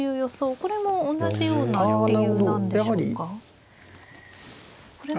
これも同じような理由なんでしょうか。